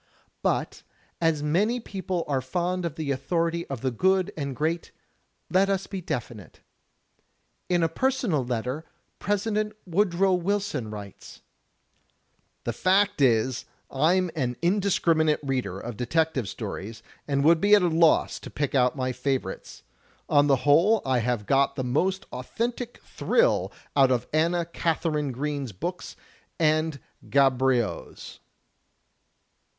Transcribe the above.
" But, as many people are fond of the authority of the good and great, let us be definite. In a personal letter. President Woodrow Wilson writes: "The fact is, I'm an indiscriminate reader of detective stories and would be at a loss to pick out my favorites. On the whole I have got the most authentic thrill out of Anna Katharine Green's books and Gaboriau's."